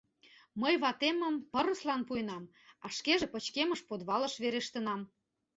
Мый ватемым пырыслан пуэнам, а шкеже пычкемыш подвалыш верештынам.